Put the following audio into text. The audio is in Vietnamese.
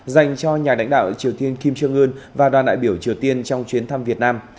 dành cho nhà lãnh đạo triều tiên kim trương ưn và đoàn đại biểu triều tiên trong chuyến thăm việt nam